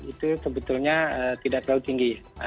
itu sebetulnya tidak terlalu tinggi